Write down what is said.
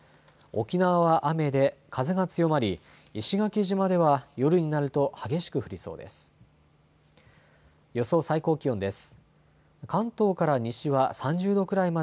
沖縄は雨で風が強まり、石垣島では夜になると激しく降りそうです。